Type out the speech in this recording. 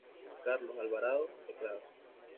Carlos Alvarado, Teclados.